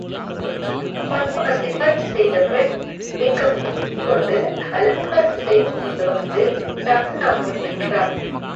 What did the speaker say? பத்மா சிபாரிசு செய்த பெண் மேக்கப்போட்டு அலங்காரம் செய்து கொண்டு வந்து காமிரா முன் நின்றாள்.